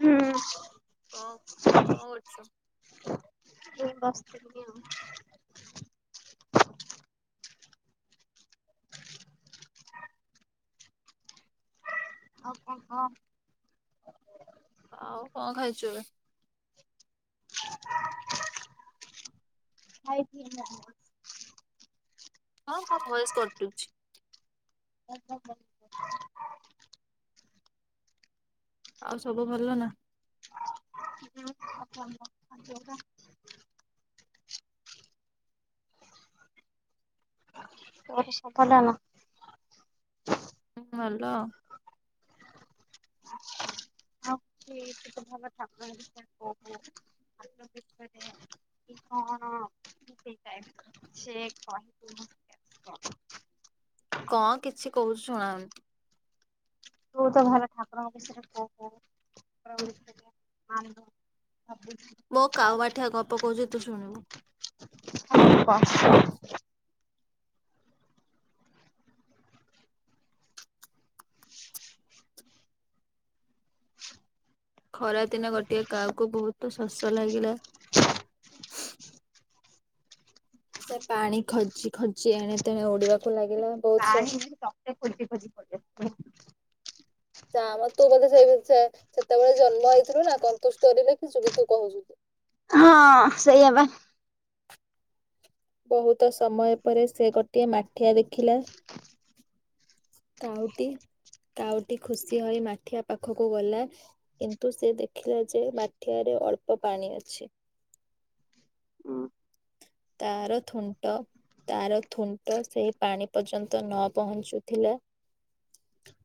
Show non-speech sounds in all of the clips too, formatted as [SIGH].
ହୁଁ। କଣ କଣ କରୁଛୁ? ମୁ ବସଥିଲ ଆଉ। ଆଉ କଣ କହ। ଆଉ କଣ ଖାଉଛୁ ଏବେ। [INAUDIBLE] ଖାଇଥିଲି ନା [INAUDIBLE] ହଁ ହଁ ବୟସ କଟୁଛି। କଣ କହ। ଆଉ ସବୁ ଭଲ ନା। ହୁଁ [INAUDIBLE] [INAUDIBLE] [UNINTELLIGIBLE] ହୁଁ ଭଲ। [INAUDIBLE] [UNINTELLIGIBLE] ହଁ ସେ କହିକି [UNINTELLIGIBLE] କଣ କିଛି କହୁଚୁ ଶୁଣାଯାଉନି। ତୁ ତ ଭଲ ଠାକୁରଙ୍କ କୋଉ କୋଉ [INAUDIBLE] ଆଣି ଦବୁ। ମୋ କାଉ ମାଠିଆ ଗପ କହୁଛି ତୁ ଶୁଣିବୁ। [UNINTELLIGIBLE] [INAUDIBLE] ଖରା ଦିନ ଗୋଟିଏ କାଉ କୁ ବହୁତ ଶସ ଲାଗିଲା। ସେ ପାଣି ଖୋଜି ଖୋଜି ଏଣେ ତେଣ ଓଡିବାକୁ ଲାଗିଲା। ବହୁତ ପାଣି ନୁହଁ ସ ସିଏ ତୋତେ ଖୋଜି ଖୋଜି ପଳେଇ ଆସିଲା। ନାଁ ମଁ ବୋଧେ ସେଇ ସେତେବେଳେ ଜନ୍ମ ହେଇଥିଲୁ ନା ତନ୍ତୁ ଷ୍ଟୋରି ବି ତୁ କହୁଛୁ। ହଁ ସେଇଆ ବା। ବହୁତ ସମୟ ପରେ ସେ ଗୋଟିଏ ମାଠିଆ ଦେଖିଲା। କାଉଟି କାଉଟି ଖୁସି ହୋଇ ମାଠିଆ ପାଖକୁ ଗଲା। କିନ୍ତୁ ସେ ଦେଖିଲା ଯେ ମାଠିଆ ରେ ଅଳ୍ପ ପାଣି ଅଛି। ହୁଁ ତାର ଥୁଣ୍ଟ। ତାର ଥୁଣ୍ଟ ସେଇ ପାଣି ପର୍ଯ୍ୟନ୍ତ ନ ପହଞ୍ଚୁଥିଲା।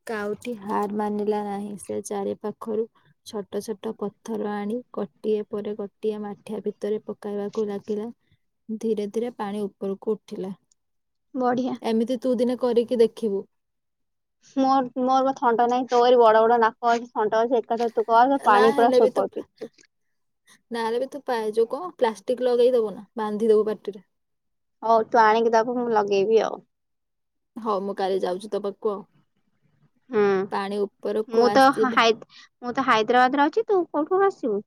କାଉଟି ହାର ମାନିଲା ନାହିଁ ସେ ଚାରି ପାଖରୁ ଛୋଟ ଛୋଟ ପଥର ଆଣି ଗୋଟିଏ ପରେ ଗୋଟିଏ ମାଠିଆ ଭିତରେ ପକାଇବାକୁ ଲାଗିଲା। ଧୀରେ ଧୀରେ ପାଣି ଉପରକୁ ଉଠିଲା। ବଢ଼ିଆ। ଏମିତି ତୁ ଦିନ କରିକି ଦେଖିବୁ। ମୋର ମୋର ବା ଥଣ୍ଟ ନାହିଁ ତୋରି ବଡ଼ ବଡ଼ ନାକ ଅଛି ଥଣ୍ଟ ଅଛି ସେ ତୁ ସେମିତି କରେ ନା ପାଣି ପୁରା ସୁପର ପିଇବୁ। ନହେଲେ ବି ତୁ ପାଇଚୁ କଣ ପ୍ଲାଷ୍ଟିକ ଲଗେଇ ଦବୁ ନା ବାନ୍ଧି ଦବୁ ପାଟିରେ। ହଉ ତୁ ଆଣିକି ଦବୁ ମୁଁ ଲଗେଇବି ଆଉ। ହଁ ମୁଁ କାଲି ଯାଉଛି ତ ପାଖକୁ ଆଉ ହୁଁ ପାଣି ଉପରକୁ ମୁଁ ତ ଆସିଯିବ। ହାଇ ମୁଁ ତ ହାଇଦ୍ରାବାଦ ର ଅଛି ତୁ କୋଉଠୁ ଆସିବୁ।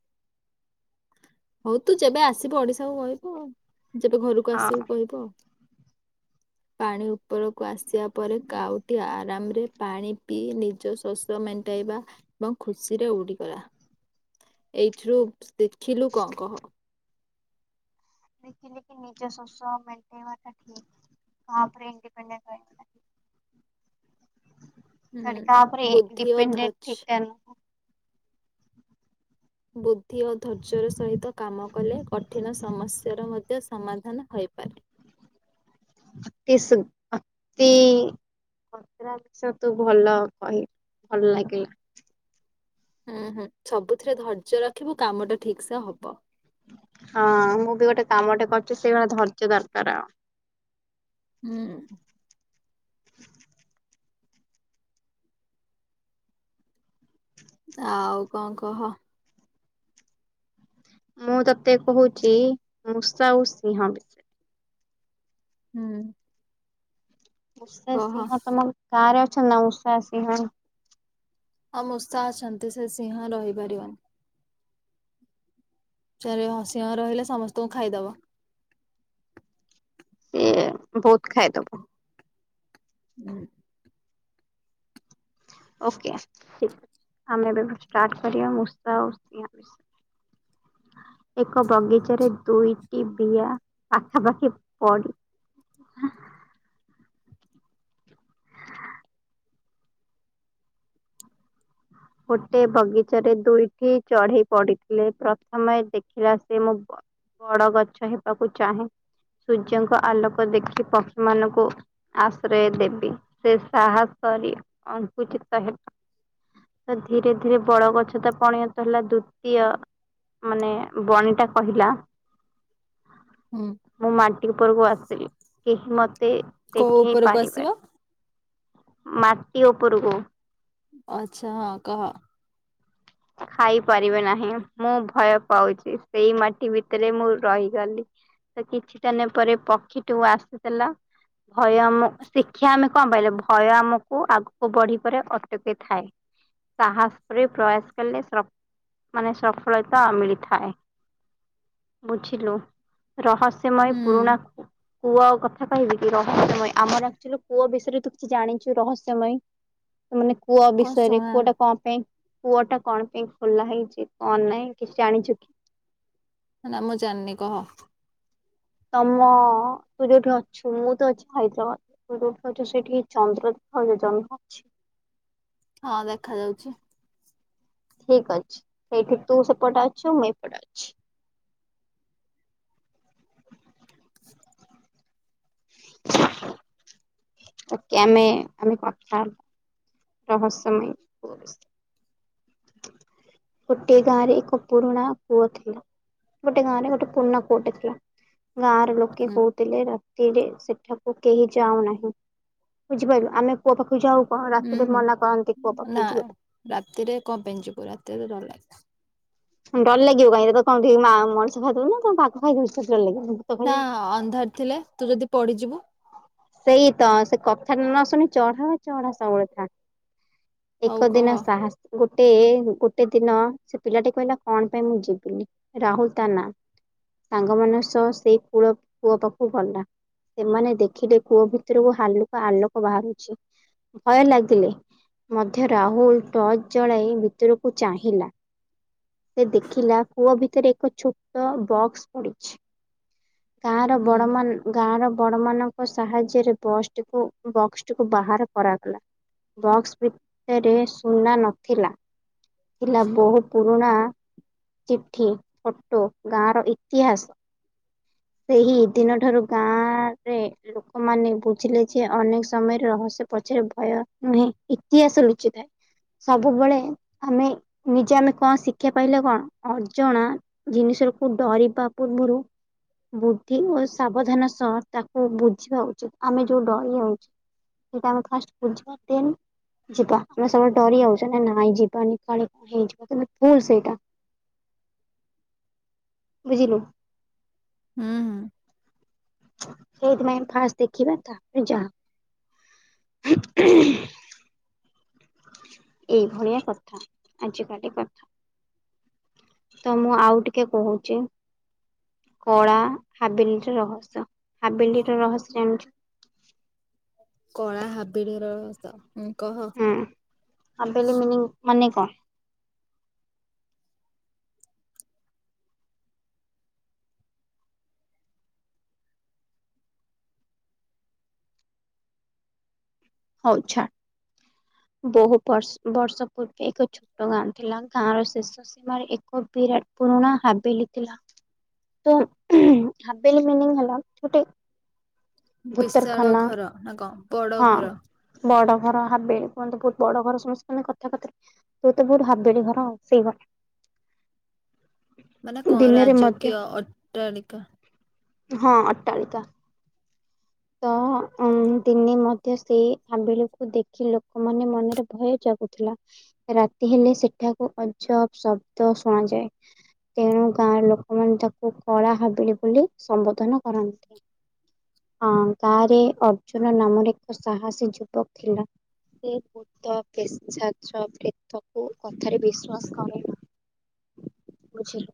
ହଉ ତୁ ଯେବେ ଆସିବୁ ଓଡ଼ିଶାକୁ କହିବୁ ଯେବେ ଘରକୁ ହଁ ଆସିବୁ କହିବୁ ଆଉ। [INAUDIBLE] ପାଣି ଉପରକୁ ଆସିବା ପରେ କାଉଟି ଆରାମରେ ପାଣି ପିଇ ନିଜ ଶୋଷ ମେଣ୍ଟାଇବା ଏବଂ ଖୁସିରେ ଉଡିଗଲା ଏଇଠରୁ କଣ କହ। ଦେଖିଲେ କି ନିଜ ଶୋସ ମେଣ୍ଟେଇବା ଟା ଠିକ। ହଁ ଆପଣ ଇଣ୍ଡିପେଣ୍ଡେଟ ହୋଇଗଲେ। ହୁଁ ବୁଦ୍ଧି ଓ ଧଜ୍ୟ ବୁଦ୍ଧି ଓ ଧର୍ଯ୍ୟର ସହିତ କାମ କଲେ କଠିନ ସମସ୍ୟାର ମଧ୍ୟ ସମାଧାନ ହୋଇପାରେ। ଅତି ସି ଅତି ପ୍ରାକ୍ ଛତୁ ଭଲ କହି ଭଲ ଲାଗି ହୁଁ ହୁଁ ସବୁଥିରେ ଧର୍ଯ୍ୟ ରଖିବୁ କାମ ଟା ଠିକ ସେ ହବ୍ ହଁ ମୁଁ ବି ଗୋଟେ କାମଟେ କରିୁଚି ସେଇଭଳିଆ ଧର୍ଯ୍ୟ ଦରକାର। ହୁଁ। ଆଉ କଣ କହ? ମୁଁ ତତେ କହୁଛି ମୂଷା ଆଉ ସିଂହ। ହୁଁ। ମୂଷା, କହ। ସିଂହ ତମ କାଁ ରେ ଅଛନ୍ତି ନା ମୂଷା, ସିଂହ? ଆଉ ମୂଷା ଅଛନ୍ତି ସେ ସିଂହ ରହିପାରିବନି। ସିଂହ ରହିଲେ ସମସ୍ତଙ୍କୁ ଖାଇଦବ। ସିଏ ବହୁତ ଖାଇଦବ। ହୁଁ। ଓକେ ଠିକ ଅଛି ଆମେ ଏବେ ଷ୍ଟାର୍ଟ କରିବା ମୂଷା ଆଉ ସିଂହ ବିଷୟରେ। [INAUDIBLE] ! ! ! ! ! ! ! ! ! ! ଗୋଟେ ବଗିଚାରେ ଦୁଇଟି ଚଢ଼େଇ ପଡିଥିଲେ ପ୍ରଥମେ ଦେଖିଲା ସେ ମୁଁ ବଡ଼ ଗଛ ହେବାକୁ ଚାହେଁ। ସୂର୍ଯ୍ୟଙ୍କ ଆଲୋକ ଦେଖି ପକ୍ଷୀ ମାନଙ୍କୁ ଆଶ୍ରୟ ଦେବି ସେ ସାହସରେ ଅଙ୍କୁଚିତ ହେବ। ତ ଧୀରେ ଧୀରେ ବଡ଼ ଗଛ ତ ପଣୀୟତ ହେଲା ଦ୍ଵିତୀୟ ମାନେ ବଣି ଟା କହିଲା ହୁଁ। ମୁଁ ମାଟି ଉପରକୁ ଆସିଲି କେହି ମତେ କୋଉ ଦେଖେଇ ଉପରକୁ ଆସିବ ପାରିବେନି। ମାଟି ଉପରକୁ ଆଚ୍ଛା ହଁ କହ? ଖାଇପାରିବେ ନାହିଁ ମୁଁ ଭୟ ପାଉଛି ସେଇ ମାଟି ଭିତରେ ମୁଁ ରହିଗଲି। ତ କିଛିଟା ନେ ପରେ ପକ୍ଷୀ ଟୁ ଆସୁଥିଲା ଭୟ ଶିକ୍ଷା ଆମେ କଣ ପାଇଲେ ଭୟ ଆମକୁ ଆଗକୁ ବଢ଼ିବାରେ ଅଟକିଥାଏ। ସାହସରେ ପ୍ରୟାସ କଲେ ମାନେ ସଫଳତା ମିଳିଥାଏ। ବୁଝିଲୁ ରହସ୍ୟମୟ ହୁଁ ପୁରୁଣାକୁ କୁଅ କଥା କହିବି କି ରହସ୍ୟମୟ ଆମରଚୁଆ କୁଅ ବିଷୟରେ ତୁ କିଛି ଜାଣିଛୁ ରହସ୍ୟମୟ? ସୋନେ କୁହ କଣ ରେ ଶୁଣା କୁଅ ଟା କଣ ପାଇଁ କୁଅ ଟା କଣ ପାଇଁ ଖୋଲା ହେଇଛି କଣ ନାହିଁ କିଛି ଜାଣିଛୁ କି? ନା ମୁଁ ଜାଣିନି କହ? ତମ ତୁ ଯୋଉଠି ଅଛୁ ମୁଁ ତ ଅଛି ହାଇଦ୍ରାବାଦ। ତୁ ଯେଉଁଠି ଅଛୁ ସେଇଠି ଚନ୍ଦ୍ର ଜନ୍ମ ହଛି? ହଁ ଦେଖା ଯାଉଛି। ଠିକ୍ ଅଛି ସେଇଠି ତୁ ସେପଟେ ଅଛୁ ମୁଁ ଏପଟେ ଅଛି। ହ ତ କେ ଆମେ ଆମେ କଥା ହବା। ରହସ୍ୟମୟ କୁଅ ବିଷୟରେ। ହୁଁ। ଗୋଟଏ ଗାଁ ରେ ଏକ ପୁରୁଣା କୁଅ ଥିଲା। ଗୋଟେ ଗାଁରେ ଗୋଟେ ପୁଋଣା କୁଅଟେ ଥିଲା ଗାଁ ର ଲୋକେ ହୁଁ କୋଉ ଥିଲେ ରାତିରେ ସେଠାକୁ କେହି ଯାଉନାହିଁ ବୁଝିପାରିଲୁ ଆମେ କୁଅ ପାଖକୁ ଯାଉ କଣ ହୁଁ ସେଠେ ହୁଁ ମନା କରନ୍ତି କୁଅ ନା ପାଖକୁ ଯିବାକୁ। ରାତିରେ କଣ ପାଇଁ ଯିବୁ ରାତିରେ ଡର ଲାଗିବ। ଡର ଲାଗିବ କାହିଁକି ତତେ କଣକିଏ ମଣିସ ଖାଇଦବ ନା ବାଘ ବାଘ ଖାଇଦେଉଛି ସେତଳେ ନା ଆଁ ଅନ୍ଧାର ଥିଲେ ତୁ ଯଦି ପଢଡିିଯିବୁ ସେଇ ତ ସେ କଥାଟା ନ ଶୁଣି ଚଢା ବା ଚଢା ସବୁଳେଥା। ହଉ ଏକ କହ ଦିନ ସାହସ ଗୁଟେ ଗୁଟେ ଦିନ ସେ ପିଲାଟି କହିଲା କଣ ପାଇଁ ମୁଁ ଯିବିନି। ରାହୁଲ ତା ନାଁ। ସାଙ୍ଗ ମାନ ସହ ସେଇ କୂଳ କୂଅ ପାଖକୁ ଗଲା। ସେମାନେ ଦେଖିଲେ କୂଅ ଭିତରକୁ ହାଲୁକା ଆଲୋକ ବାହାରୁଛି, ଭୟ ଲାଗିଲେ ମଧ୍ୟ ରାହୁଲ ଟର୍ଚ ଜଳାଇ ଭିତରକୁ ଚାହିଁଲା। ସେ ଦେଖିଲା କୂଅ ଭିତରେ ଏକ ଛୋଟ ବକ୍ସ ପଡିଛି। ଗାଁର ହୁଁ ବଡମାନ ଗାଁର ବଡମାନ କ ସାହାଯ୍ୟରେ ବସ୍ ଟିକୁ ବକ୍ସଟିକୁ ବାହାର କରାଗଲା। ବକ୍ସ ଭିତରେ ସୁନା ନଥିଲା ଥିଲା, ବହୁ ପୁରୁଣା ଚିଠି, ଫଟୋ, ଗାଁ ର ଇତିହାସ ସେହି ଦିନ ଠାରୁ ଗାଁ ରେ ଲୋକମାନେ ବୁଝିଲେ ଯେ ଅନେକ ସମୟରେ ରହସ୍ୟ ପଛରେ ଭୟ ନୁହେଁ ଇତିହାସ ଲୁଚିଥାଏ। ସବୁବେଳେ ଆମେ ନିଜେ ଆମେ କଣ ଶିକ୍ଷା ପାଇଲେ କଣ? ଅଜଣା ଜିନିଷ କୁ ଡରିବା ପୂର୍ବରୁ ବୁଦ୍ଧି ଓ ସାବଧାନ ସହ ତାକୁ ବୁଝିବା ଉଚିତ। ଆମେ ଯୋଉ ଡରି ଅଉଛେ ସେଇଟା ଆମେ ଫାଷ୍ଟ ବୁଝିବା ଦେନ୍ ଯିବା। ଆମେ ସବଳେ ଡରି ଯାଉଚେ ନା ନାଇଁ ଯିବାନି କାଳେ କଣ ହେଇଯିବ, ତୋମେ ଭୁଲ ସେଇଟା। ବୁଝିଲୁ। ହୁଁ, ହୁଁ। ସେଇଥିପାଇଁ ଫାଷ୍ଟ ଦେଖିବା ତାପରେ ଯାହା ହବ। ଏଇଭଳିଆ କଥା, ଆଜିକାଲି କଥା। ତ ମୁଁ ଆଉ ଟିକେ କହୁଚି। କଳା ହାବିଲି ର ରହସ୍ୟ। ହାବେଲିିର ରହସ୍ୟ ଏମିତି କଳା ହାବିଳି ର ରହସ୍ଯ ହୁଁ, କହ। ହଁ ଆବେଲି ମିନିଙ୍ଗ ମାନେ କଣ? ହଉ ଛା ବହୁ ବର୍ଷ ବର୍ଷ ପୂର୍ବେ ଏକ ଛୋଟ ଗାଁ ଥିଲା। ଗାଁ ର ଶେଷ ସୀମାରେ ଏକ ବିରାଟ ପୁରୁଣା ହାବେଲି ଥିଲା। ତ ହାବେଲି ମିନିଙ୍ଗ ହେଲା ଗୁଟେ ବିଶାଳ ଭୂତରଖାନା ଘର ନା କଣ ବଡ ହଁ। ଘର ବଡ ଘର ହାବେ, କୁହନ୍ତି ବହୁତ ବଡ ଘର ସମସ୍ତେ ମାନେ କଥା କଥାରେ ତୁ ତୋ ବହୁତ ହାବେଳି ଘର ସେଇ ଭଳିଆ। ମାନେ ଘର କଣ ଦିନରେ ମଧ୍ୟ ରାଜକୀୟ ଅଟ୍ଟାଳିକା। ହଁ ଅଟ୍ଟାଳିକା। ତ ଅଁ, ଦିନେ ମଧ୍ୟ ସେଇ ହାବେଳିକୁ ଦେଖି ଲୋକମାନେ ମନରେ ଭୟ ଜା ଗୁ ଥିଲା, ରାତି ହେଲେ ସେଠାକୁ ଅଜବ ଶବ୍ଦ ଶୁଣାଯାଏ। ତେଣୁ ଗାଁ ଲୋକମାନେ ତାକୁ କଳା ହାବିଳି ବୋଲି ସମ୍ବୋଧନ କରନ୍ତି। ହଁ ଗାଁରେ ଅର୍ଜୁନ ନାମରେ ଏକ ସାହସୀ ଯୁବକ ଥିଲା। ସିଏ ଭୂ ତ, ପେଶାଚ, ପ୍ରେତ କୁ କଥାରେ ବିଶ୍ଵାସ କରେନା। ବୁଝିଲୁ।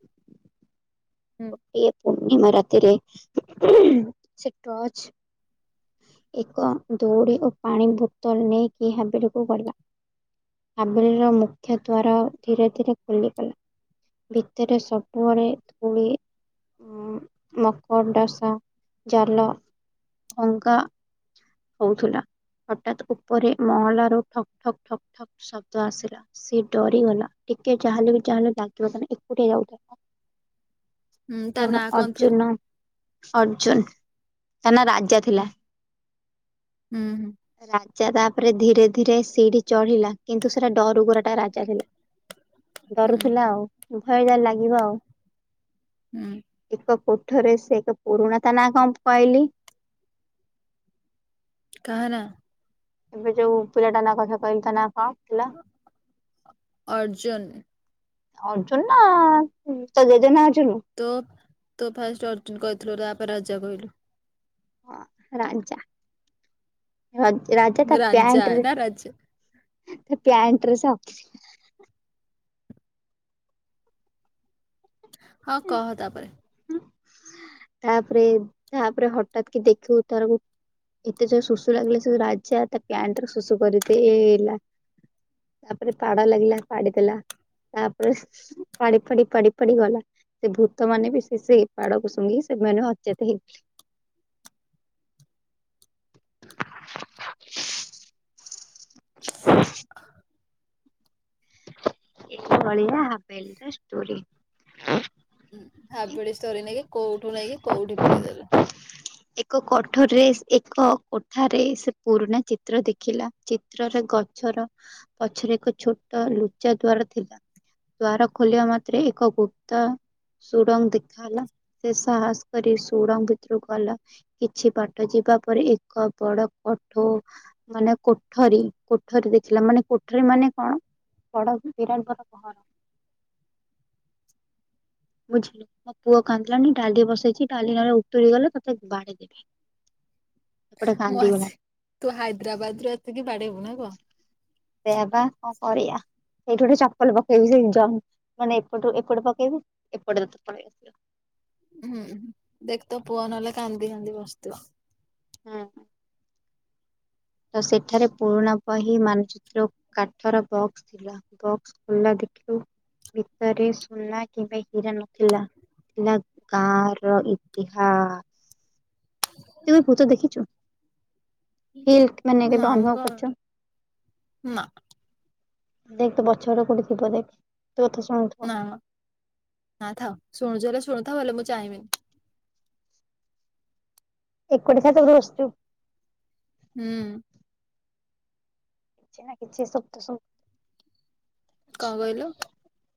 ହୁଁ ଗୋଟିଏ ପୂର୍ଣ୍ଣିମା ରାତିରେ ସେ ଟର୍ଚ ଏକ ଦଉଡ଼ି ଓ ପାଣି ବୁତଲ ନେଇକି ହାବେଳିକୁ ଗଲା। ହାବେଳିର ମୁଖ୍ୟ ଦ୍ୱାର ଧୀରେ ଧୀରେ ଖୋଲିଗଲା। ଭିତରେ ସବୁଆଳେ ଧୂଳି ଉଁ, ମକଡାସା ଜାଲ ଭଙ୍ଗା ହଉଥୁଲା, ହଠାତ୍ ଉପରେ ମହଲାରୁ ଠକ୍ ଠକ୍ ଠକ୍ ଠକ୍ ଶବ୍ଦ ଆସିଲା। ସିଏ ଡରିଗଲା, ଟିକେ ଯାହା ହେଲେ ବି ଯାହାଲେ ଲାଗିବ ତ ନା ଏକୁଟିଆ ଯାଉଥାଏ। [INAUDIBLE] ହୁଁ ତା ତାପରେ ନାଁ କଣ ଥିଲା? ଅର୍ଜୁନ ଅର୍ଜୁନ୍ ତା ନାଁ ରାଜା ଥି ହୁଁ, ହୁଁ, ହୁଁ। ରାଜା ତାପରେ ଧୀରେ ଧୀରେ ସିଢି ଚଢିଲା, କିନ୍ତୁ ସେଟା ଡରୁକୁରା ଟା ରା ଥିଲା ହୁଁ ଡରୁଥିଲା ଆଉ, ଭୟ ଲାଗିବ ଆଉ। ହୁଁ ଏକ କୋଠରେ ସେ ଏକ ପୁରୁଣା ତା ନାଁ କଣ କଇଲି। କାହା ନାଁ? ଏବେ ଯୋଉ ପିଲାଟା ନା କଥା କହିଲି, ତା ନାଁ କଣ ଥିଲା? ଅର୍ଜୁନ। ଅର୍ଜୁନା ତା ଜେଜେ ନାଁ ଅର୍ଜୁନୁ। ତୁ ତୁ ଫାଷ୍ଟ ଅର୍ଜୁନ କହିଥିଲୁ, ତାପରେ ରାଜା କହିଲୁ। ହଁ ରାଜା, ରା ରାଜା ତା ରାଞ୍ଜା ପ୍ୟାଣ୍ଟରୁ ନା ରାଜା ପ୍ୟାଣ୍ଟ୍ରରେ ସ ହଁ କହ ତାପରେ? ତାପରେ ତାପରେ ହଠାତ୍ କି ଦେଖୁ [UNINTELLIGIBLE] ଏତେ ଜୋର୍ ସୁସୁ ଲାଗିଲା ଯେ, ରାଜା ତା ପ୍ୟାଣ୍ଟରେ ସୁସୁ କରିଦେଲା। ତାପରେ ପାଡ଼ ଲାଗିଲା ପାଡି ଦେଲା। ତାପରେ ପାଡ଼ି ପାଡ଼ି ପାଡ଼ି ପାଡ଼ି ଗଲା, ସେ ଭୂତ ମାନେ ବି ସେଇ ପାଡକୁ ସୁଙ୍ଗି ସେମାନେ ଅଚେତ ହେଇଗଲେ। [INAUDIBLE] ଏଇ ଭଳିଆ ହାବେଲିରେ ଷ୍ଟୋରୀ। ହଁ ହାବଳି ଷ୍ଟୋରି ନେଇକି, କୋଉଠୁ ନେଇକି କୋଉଠି ପୁରେଇ ଦେଲେ। ଏକ କଠୋରରେ ଏକ କୋଠାରେ ସେ ପୁରୁଣା ଚିତ୍ର ଦେଖିଲା। ଚିତ୍ରରେ ଗଛର ପଛରେ, ଏକ ଛୋଟ ଲୁଚା ଦ୍ୱାର ଥିଲା। ଦ୍ୱାର ଖୋଲିଆ ମାତ୍ରେ ଏକ ଗୁପ୍ତ ସୁଡ଼ଙ୍ଗ ଦେଖା ହେଲା, ସେ ସାହସ କରି ସୁଡ଼ଙ୍ଗ ଭିତରକୁ ଗଲା। କିଛି ବାଟ ଯିବା ପରେ, ଏକ ବଡ କଠଉ ମାନେ କୋଠରୀ କୋଠରୀ ଦେଖିଲା, ମାନେ କୋଠରୀ ମାନେ କଣ? ବଡ ବିରାଟ ବଡ ପାହାଡ଼। ବୁଝିଲୁ ମୋ ପୁଅ କାନ୍ଦିଲାଣି ଡାଲି ବସେଇଛିି, ଡାଲି ହେଣେ ଉତୁରି ଗଲେ ତତେ ବାଡେଇଦେବି। ମୁଁ [UNINTELLIGIBLE] ତୁ ହାଇଦ୍ରାବାଦରୁୁ ଆସିକି ବାଡେଇବୁ ନା କଣ? ସେଇଆ ବା କଣ କରିଆ? ସେଇଠି ଗୋଟେ ଚପଲ ପକେଇବି। ସେଇ ଜ ମାନେ ଏପଟ ଏପଟେ ପକେଇବି ଏପଟେ ତୁ ପଳେଇ ଆସିବ। ହୁଁ ଦେଖ ତୋ ପୁଅ ନହେଲେ କାନ୍ଦି କାନ୍ଦି ବସିିଥିବ। ହୁଁ। ତ ସେଠାରେ ପୁରୁଣା ବହି ମାନଚିତ୍ର କାଠର ବକ୍ସ ଥିଲା ବକ୍ସ ଖୋଲା ଦେଖିଲା ଭିତରେ ସୁନା କିମ୍ବା ହୀରା ନ ଥିଲା, ଥିଲା ତାର ଇତିହାସ। କେବେ ଭୁତ ଦେଖିଚୁ? ଫିଲ୍ ମାନେ ନା କେବେ ମୁଁ ଅନୁଭବ କଣ କରୁଛ। ନା। ଦେଖ ତୋ ପଛ ପଟେ କୋଉଠି ଥିବ ଦେଖ, ତୋ କଥା ଶୁଣୁଥିବ। ନା- ନା ଥାଉ ଶୁଣୁଛି ହେଲେ ଶୁଣୁଥାଉ ହେଲେ ମୁଁ ଚାହିଁବିନି। [UNINTELLIGIBLE] ତ ବସଚୁ। ହୁଁ। କିଛି ନା କିଛି ସବ ତ ସବୁ। କଣ କହିଲୁ?